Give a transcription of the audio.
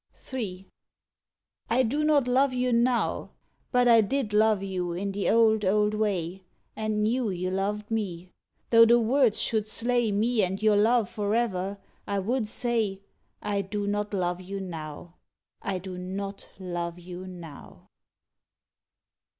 III. I do not love you now! But did I love you in the old, old way, And knew you loved me 'though the words should slay Me and your love forever, I would say, "I do not love you now! I do not love you now!"